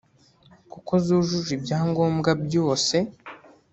kuko zujuje ibyangombwa byose